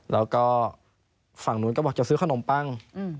แล้วก็ฝั่งนู้นก็บอกจะซื้อขนมปัง